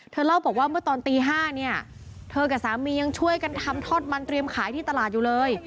เล่าบอกว่าเมื่อตอนตี๕เนี่ยเธอกับสามียังช่วยกันทำทอดมันเตรียมขายที่ตลาดอยู่เลย